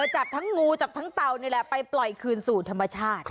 จับทั้งงูจับทั้งเตานี่แหละไปปล่อยคืนสู่ธรรมชาติ